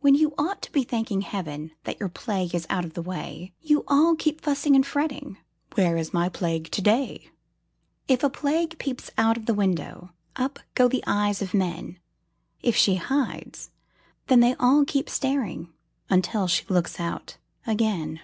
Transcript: When you ought to be thanking Heaven That your plague is out of the way, You all keep fussing and fretting "Where is my Plague to day?" If a Plague peeps out of the window, Up go the eyes of men; If she hides, then they all keep staring Until she looks out again.